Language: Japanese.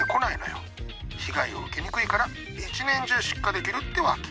被害を受けにくいから１年中出荷できるってわけ。